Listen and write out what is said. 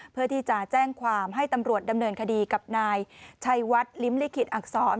เพื่อที่จะแจ้งความให้ตำรวจดำเนินคดีกับนายชัยวัดลิ้มลิขิตอักษร